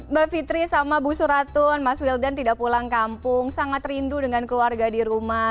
mbak fitri sama bu suratun mas wildan tidak pulang kampung sangat rindu dengan keluarga di rumah